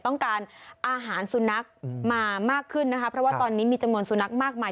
ต้องการอาหารสุนัขมามากขึ้นนะคะเพราะว่าตอนนี้มีจำนวนสุนัขมากมาย